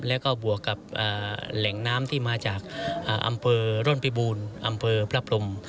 แล้วก็บวกกับแหล่งน้ำที่มาจากอำเภอร่อนพิบูรณ์อำเภอพระพรม